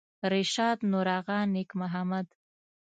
رشاد نورآغا نیک محمد